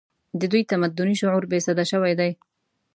د دوی تمدني شعور بې سده شوی دی